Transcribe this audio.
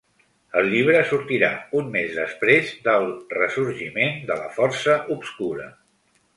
El llibre sortirà un mes després del "Ressorgiment de la Força Obscura".